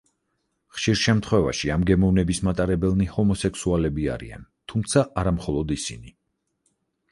ხშირ შემთხვევაში, ამ გემოვნების მატარებელნი ჰომოსექსუალები არიან, თუმცა არა მხოლოდ ისინი.